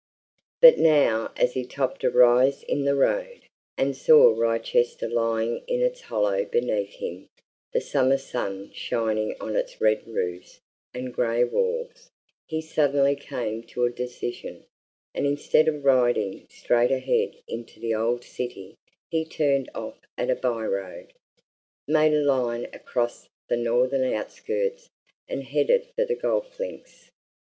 But now, as he topped a rise in the road, and saw Wrychester lying in its hollow beneath him, the summer sun shining on its red roofs and grey walls, he suddenly came to a decision, and instead of riding straight ahead into the old city he turned off at a by road, made a line across the northern outskirts, and headed for the golf links.